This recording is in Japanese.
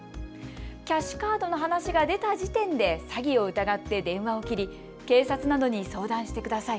キャッシュカードの話が出た時点で詐欺を疑って電話を切り警察などに相談してください。